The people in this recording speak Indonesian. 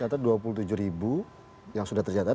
atau dua puluh tujuh ribu yang sudah tercatat